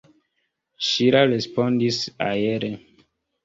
Ŝila respondis aere.